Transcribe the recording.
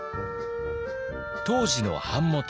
当時の版元